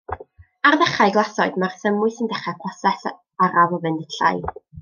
Ar ddechrau glasoed mae'r thymws yn dechrau proses araf o fynd yn llai.